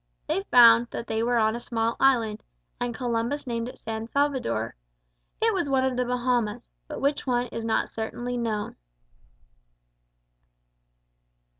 They found that they were on a small island, and Columbus named it San Salvador. It was one of the Bahamas, but which one is not certainly known.